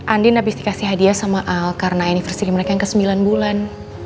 andi nabis dikasih hadiah sama al karena aniversari mereka yang ke sembilan bulan